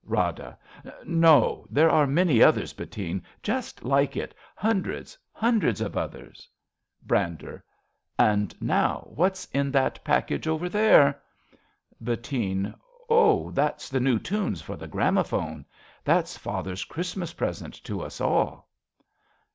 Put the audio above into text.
Rada. No ; there are many others, Bettine, just like it, hundreds, hundreds of others. 44 A BELGIAN CHRISTMAS EVE Brander. And now — what's in that package over there ? Bettine. Oh, that's the new tunes for the gramophone. That's father's Christmas present to us all.